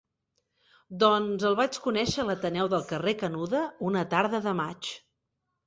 Doncs, el vaig conèixer a l'Ateneu del carrer Canuda, una tarda de maig.